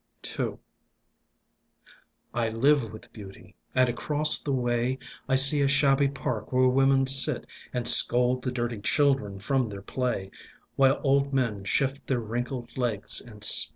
II I live with Beauty, and across the way I see a shabby park where women sit And scold the dirty children from their play, While old men shift their wrinkled legs and spit.